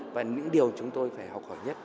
và những điều chúng tôi phải học hỏi nhất